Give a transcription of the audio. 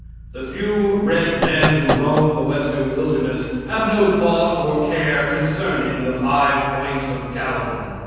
The few red men who roam the Western wilderness have no thought or care concerning the five points of Calvin.